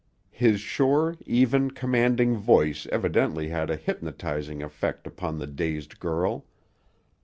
His sure, even, commanding voice evidently had a hypnotizing effect upon the dazed girl.